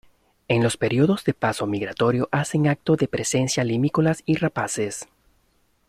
En los períodos de paso migratorio hacen acto de presencia limícolas y rapaces.